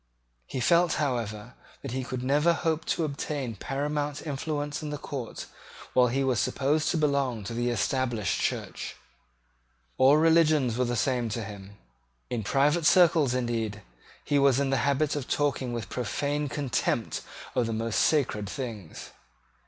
He felt, however, that he could never hope to obtain paramount influence in the court while he was supposed to belong to the Established Church. All religions were the same to him. In private circles, indeed, he was in the habit of talking with profane contempt of the most sacred things.